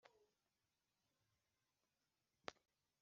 ibyo nambaye byose birahindana.